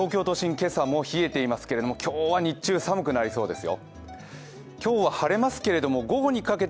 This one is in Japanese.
今朝も冷えてますけれども今日は日中、寒くなりそうですよ。